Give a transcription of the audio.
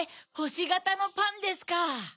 ほしがたのパンですか！